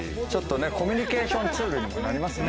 コミュニケーションツールにもなりますね。